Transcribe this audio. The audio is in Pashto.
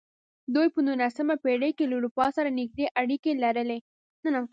دوی په نولسمه پېړۍ کې له اروپا سره نږدې اړیکې لرلې.